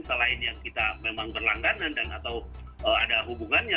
selain yang kita memang berlangganan dan atau ada hubungannya